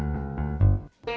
nih si tati